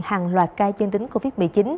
hàng loạt ca chân tính covid một mươi chín